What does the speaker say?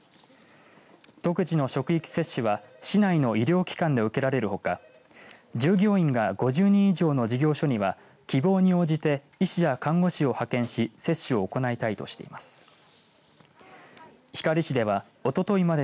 独自の職域接種は市内の医療機関で受けられるほか従業員が５０人以上の事業所には希望に応じて医師や看護師を派遣し接種を行いたいとしています。